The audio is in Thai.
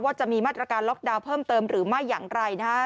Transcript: จะมีมาตรการล็อกดาวน์เพิ่มเติมหรือไม่อย่างไรนะฮะ